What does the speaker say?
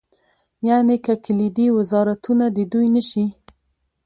یعنې که کلیدي وزارتونه د دوی نه شي.